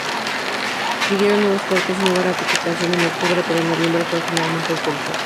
Siguieron nuevos cortes y nueva ratificación en octubre, pero en noviembre fue finalmente autorizada.